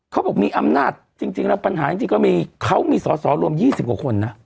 เขาบอกมีอำนาจจริงจริงแล้วปัญหาจริงจริงก็มีเขามีสอสอรวมยี่สิบกว่าคนน่ะ